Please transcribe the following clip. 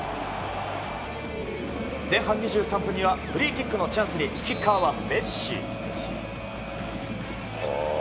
前半２３分にはフリーキックのチャンスにキッカーはメッシ。